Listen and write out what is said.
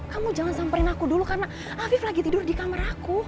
kamu jangan samperin aku dulu karena afif lagi tidur di kamar aku